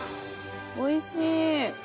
おいしい。